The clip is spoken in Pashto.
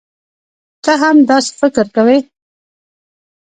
تۀ هم داسې فکر کوې؟